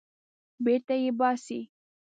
بېرته یې باسي.